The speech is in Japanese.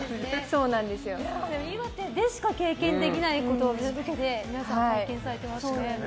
岩手でしか経験できないことを皆さん体験されてましたね。